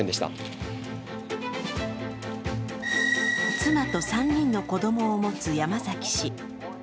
妻と３人の子供を持つ山崎氏。